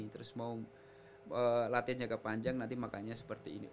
terus mau latihannya kepanjang nanti makannya seperti itu